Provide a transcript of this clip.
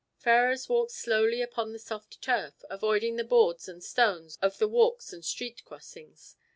Ferrars walked slowly upon the soft turf, avoiding the boards and stones of the walks and street crossings.